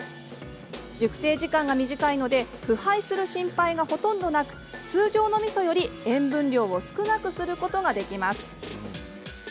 熟成時間が短いので腐敗する心配がほとんどなく通常のみそより塩分量を少なくすることができます。